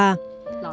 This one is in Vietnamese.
trương phây là ai